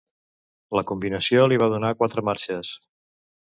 La combinació li va donar quatre marxes.